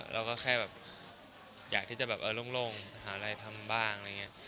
เราก็แค่แบบอยากที่จะแบบเออโล่งหาอะไรทำบ้างอะไรอย่างนี้